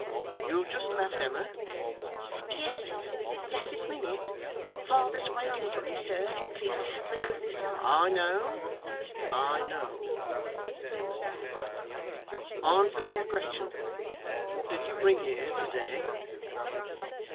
You have just left Emma?' 'Yes, sir, just this minute. Father's waiting for me, sir, if you'll please to have the goodness ' 'I know. I know,' said Mr Haredale. 'Answer me a question. What did you bring here to day?